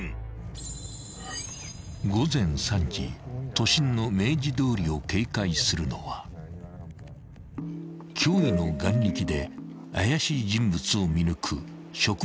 ［都心の明治通りを警戒するのは驚異の眼力で怪しい人物を見抜く職務質問の達人］